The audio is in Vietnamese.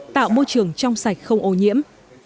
tạo môi trường trong sạch không ô nhiễm